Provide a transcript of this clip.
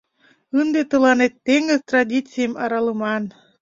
Ынде тыланет теҥыз традицийым аралыман.